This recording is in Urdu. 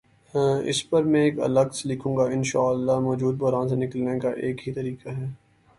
اس پرمیں الگ سے لکھوں گا، انشا اللہ مو جودہ بحران سے نکلنے کا ایک ہی طریقہ ہے۔